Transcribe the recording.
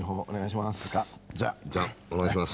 じゃあお願いします。